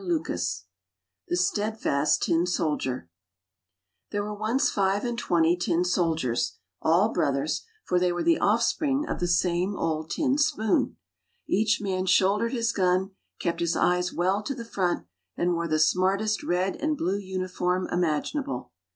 ffartV THE*5TEADFA5T<» TIN* SOLDIER^ H THERE were once five and twenty tin soldiers, all brothers, for they were the offspring of the same old tin spoon. Each man shouldered his gun, kept his eyes well to the front, and wore the smartest red and blue uniform imaginable.